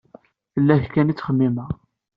Fell-ak kan i ttxemmimeɣ.